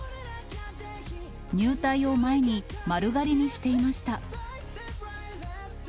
入隊を前に、丸刈りにしていました。